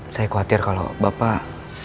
saya khawatir kalau bapak